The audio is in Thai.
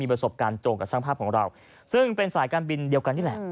ประสบการณ์ตรงกับช่างภาพของเราซึ่งเป็นสายการบินเดียวกันนี่แหละ